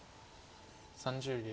３０秒。